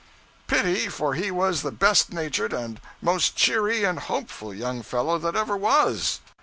'Pity, for he was the best natured, and most cheery and hopeful young fellow that ever was.'